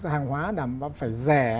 hàng hóa phải rẻ